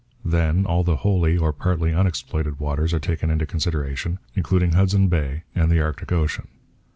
Then, all the wholly or partly unexploited waters are taken into consideration, including Hudson Bay and the Arctic ocean.